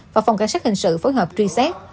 và phòng cảnh sát hình sự phối hợp truy xét